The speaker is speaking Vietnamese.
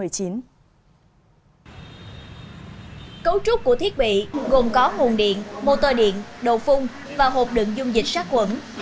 cấu trúc của thiết bị gồm có nguồn điện motor điện đầu phun và hộp đựng dung dịch sát quẩn